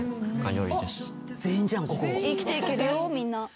生きていけるよみんな。